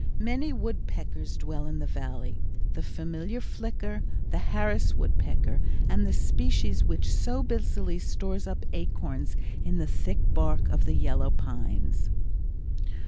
Many woodpeckers dwell in the Valley; the familiar flicker, the Harris woodpecker and the species which so busily stores up acorns in the thick bark of the yellow pines.